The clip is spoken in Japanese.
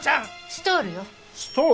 ストール？